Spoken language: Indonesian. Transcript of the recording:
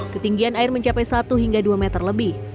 ketinggian air mencapai satu hingga dua meter lebih